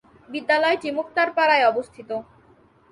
বিদ্যালয়টি মুক্তারপাড়ায় অবস্থিত।